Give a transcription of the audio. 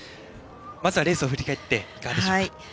まずレースを振り返っていかがですか。